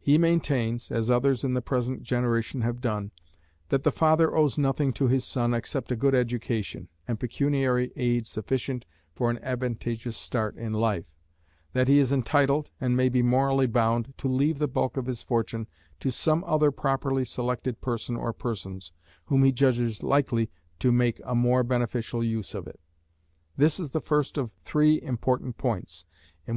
He maintains (as others in the present generation have done) that the father owes nothing to his son, except a good education, and pecuniary aid sufficient for an advantageous start in life: that he is entitled, and may be morally bound, to leave the bulk of his fortune to some other properly selected person or persons, whom he judges likely to make a more beneficial use of it. This is the first of three important points, in which M.